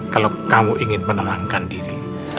kalau kamu ingin menelankan diri